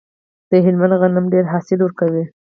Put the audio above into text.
د هلمند غنم ډیر حاصل ورکوي.